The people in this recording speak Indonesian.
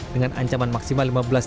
dengan ancaman maksimal lima belas tahun